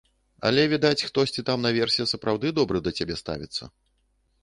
Але, відаць, хтосьці там наверсе сапраўды добра да цябе ставіцца.